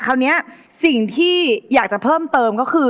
คราวนี้สิ่งที่อยากจะเพิ่มเติมก็คือ